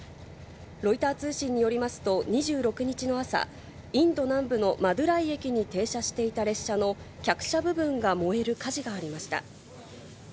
ロイター通信によりますと、２６日の朝、インド南部のマドゥライ駅に停車していた列車の客車部分が燃える火事がありました。